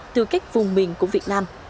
từ các vùng miền của việt nam